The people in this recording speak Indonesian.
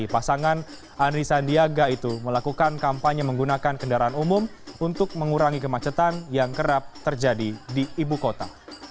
pasangan ani sandiaga itu melakukan kampanye menggunakan kendaraan umum untuk mengurangi kemacetan yang kerap terjadi di ibu kota